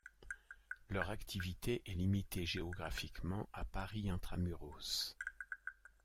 Leur activité est limitée géographiquement à Paris intramuros.